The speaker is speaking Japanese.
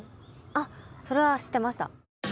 あっそれは知ってました。